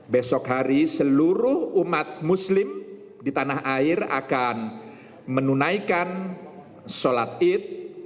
besok hari seluruh umat muslim di tanah air akan menunaikan sholat id